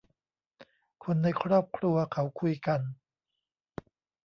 คนในครอบครัวเขาคุยกัน